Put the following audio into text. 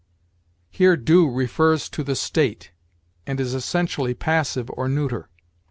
Here do refers to the state, and is essentially passive or neuter.